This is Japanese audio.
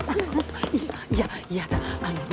いや嫌だあのね